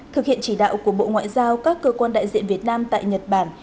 thực hiện chỉ đạo của bộ ngoại giao các cơ quan đại diện việt nam tại nhật bản